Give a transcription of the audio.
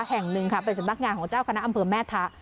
แห่งหนึ่งค่ะเป็นสำนักงานของเจ้าคณะอำเภอแม่ทะ